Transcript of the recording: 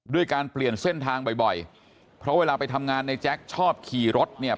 การเปลี่ยนเส้นทางบ่อยเพราะเวลาไปทำงานในแจ๊คชอบขี่รถเนี่ย